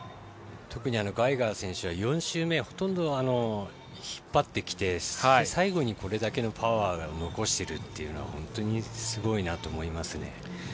特にガイガー選手は４周目、ほとんど引っ張ってきて最後にこれだけのパワーを残してるというのは本当にすごいなって思いますね。